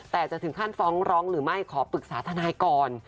แต่จะถึงขั้นฟ้องร้องหรือไม่ขอปรึกษาทนายก่อน